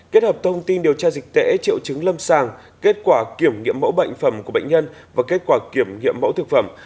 kết hợp thông tin điều tra dịch tễ triệu chứng lâm sàng kết quả kiểm nghiệm mẫu bệnh phẩm của bệnh nhân và kết quả kiểm nghiệm mẫu thực phẩm